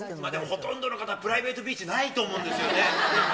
ほとんどの方、プライベートビーチないと思うんですよね。